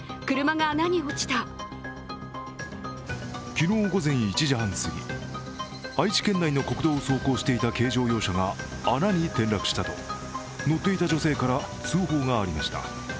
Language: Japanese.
昨日午前１時半すぎ、愛知県内の国道を走行していた軽乗用車が穴に転落したと乗っていた女性から通報がありました。